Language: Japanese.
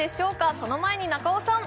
その前に中尾さん